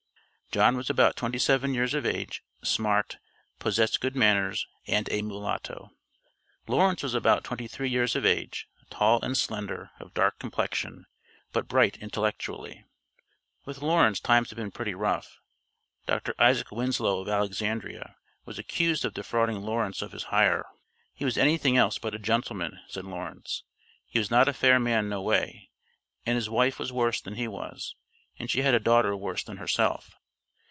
John was about twenty seven years of age, smart, possessed good manners, and a mulatto. Lawrence was about twenty three years of age, tall and slender, of dark complexion, but bright intellectually. With Lawrence times had been pretty rough. Dr. Isaac Winslow of Alexandria was accused of defrauding Lawrence of his hire. "He was anything else but a gentleman," said Lawrence. "He was not a fair man no way, and his wife was worse than he was, and she had a daughter worse than herself."